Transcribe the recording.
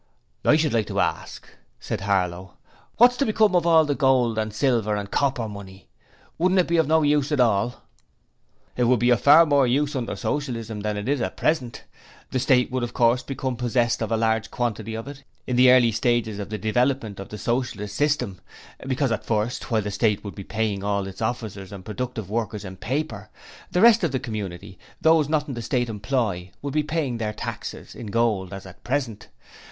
'I should like to ask,' said Harlow, 'wot's to become of all the gold and silver and copper money? Wouldn't it be of no use at all?' 'It would be of far more use under Socialism than it is at present. The State would of course become possessed of a large quantity of it in the early stages of the development of the Socialist system, because at first while the State would be paying all its officers and productive workers in paper, the rest of the community those not in State employ would be paying their taxes in gold as at present.